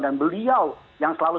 dan beliau yang selalu